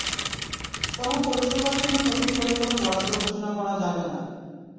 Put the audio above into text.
কোনো পৌরসভার জন্য নতুন করে কোনো বরাদ্দ ঘোষণা করা যাবে না।